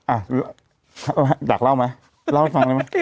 อ้าดักเล่ามาเล่าให้ฟังหน่อยไหม